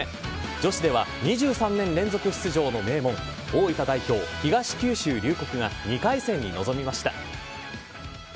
女子では２３年連続出場の名門大分代表・東九州龍谷が２回戦に臨みました。